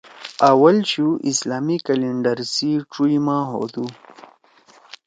اوّل شُو اسلامی کیلنڈر سی ڇُوئی ماہ ہودُو۔